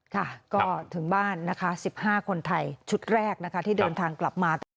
ค่ะก็ถึงบ้านนะคะ๑๕คนไทยชุดแรกนะคะที่เดินทางกลับมาตอนนี้